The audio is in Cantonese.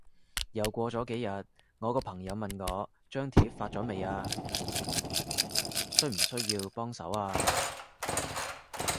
又過咗幾日，我個朋友問我張貼發咗未啊？需唔需要幫手啊？